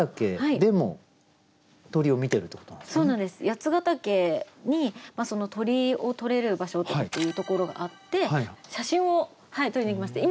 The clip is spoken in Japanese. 八ヶ岳に鳥を撮れる場所っていうところがあって写真を撮りに行きまして。